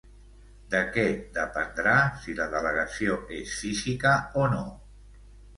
De què dependrà si la delegació és física o no?